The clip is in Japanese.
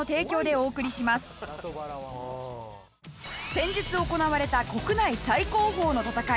先日行われた国内最高峰の戦い